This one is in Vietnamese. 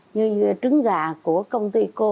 như trứng gà của công ty cô